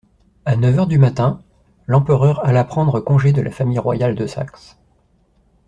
À neuf heures du matin, l'empereur alla prendre congé de la famille royale de Saxe.